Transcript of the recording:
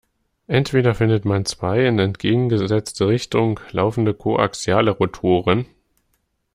Entweder findet man zwei in entgegengesetzte Richtung laufende koaxiale Rotoren.